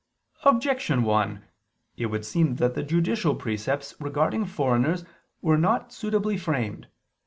Objection 1: It would seem that the judicial precepts regarding foreigners were not suitably framed.